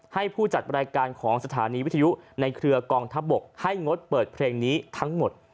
ให้ผู้จัดรายการของสถานีวิทยุในเครือกองทัพบกให้งดเปิดเพลงนี้ทั้งหมด